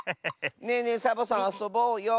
ねえねえサボさんあそぼうよ。